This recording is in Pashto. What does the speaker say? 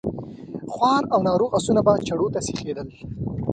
خوار او ناروغ آسونه به چړو ته سيخېدل.